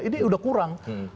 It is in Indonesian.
ini udah kurang